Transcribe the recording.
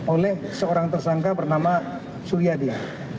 oleh seorang tersangka bernama surya dia